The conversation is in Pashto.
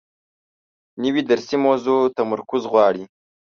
نوې درسي موضوع تمرکز غواړي